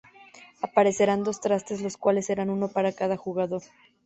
Aparecerán dos trastes los cuales serán uno para cada jugador.